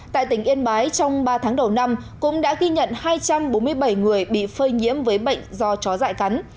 tại tỉnh yên bái trong ba tháng đầu năm cũng đã ghi nhận hai trăm bốn mươi bảy người bị phơi nhiễm với bệnh do chó dại cắn